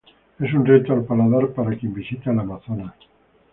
Es un reto al paladar para quien visita el Amazonas.